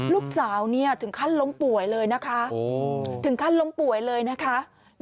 ลูกสาวถึงขั้นล้มป่วยเลยนะคะถึงขั้นล้มป่วยเลยนะคะ